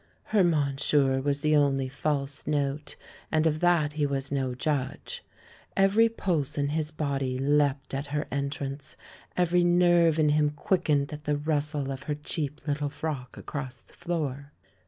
Her "monsieur" was the only false note, and of that he was no judge. Every pulse in his body leapt at her entrance; every nerve in him quickened at the rustle of her cheap little frock across the floor.